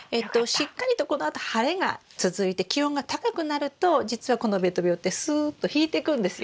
しっかりとこのあと晴れが続いて気温が高くなるとじつはこのべと病ってすっと引いてくんですよ。